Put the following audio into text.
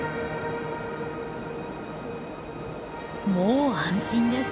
もう安心です。